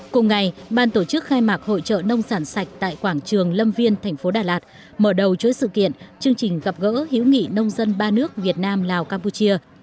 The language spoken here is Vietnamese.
cùng ngày ban tổ chức khai mạc hội trợ nông sản sạch tại quảng trường lâm viên thành phố đà lạt mở đầu chối sự kiện chương trình gặp gỡ hiểu nghị nông dân ba nước việt nam lào campuchia